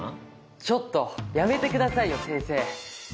ちょっとやめてくださいよ先生。